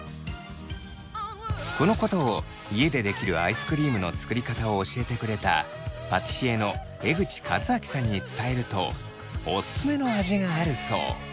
このことを家で出来るアイスクリームの作り方を教えてくれたパティシエの江口和明さんに伝えるとオススメの味があるそう。